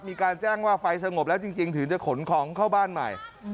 มีการแจ้งว่าไฟสงบแล้วจริงถึงจะขนของเข้าบ้านใหม่